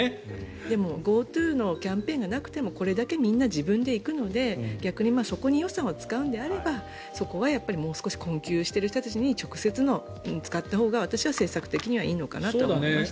でもＧｏＴｏのキャンペーンがなくても自分でこれだけ行くのでそこに予算を使うのであればそこはもう少し困窮する人たちに使ったほうが私は政策的にはいいのかなと思います。